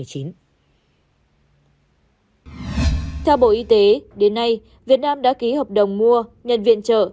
theo bộ y tế đến nay việt nam đã ký hợp đồng mua nhận viện trợ